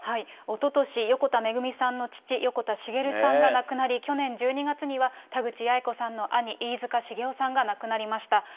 おととし、横田めぐみさんの父、横田滋さんが亡くなり、去年１２月には、田口八重子さんの兄、飯塚繁雄さんが亡くなりました。